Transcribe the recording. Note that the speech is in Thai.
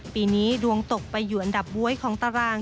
ปีนี้ดวงตกไปอยู่อันดับบ๊วยของตาราง